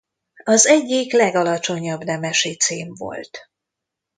Az egyik legalacsonyabb nemesi cím volt.